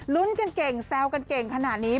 กันเก่งแซวกันเก่งขนาดนี้